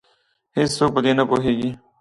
هیڅوک په دې نه پوهیږې